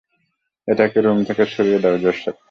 ওটাকে রুম থেকে সরিয়ে দাও, জোসেফ।